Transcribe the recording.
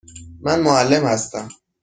من معلم هستم.